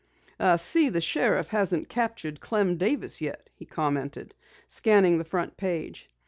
"I see the sheriff hasn't captured Clem Davis yet," he commented, scanning the front page.